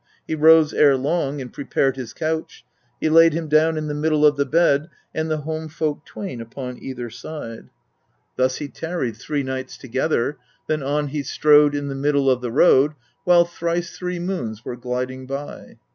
Well he knew how to give them counsel he laid him down in the middle of the bed and the home folk twain upon either side. 16. Thus he tarried three nights together, then on he strode in the middle of the road while thrice three moons were gliding by.